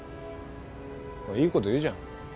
いいこと言うじゃん。